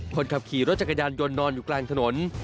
คนขับขี่รถจักรยานยนต์นอนอยู่กลางถนน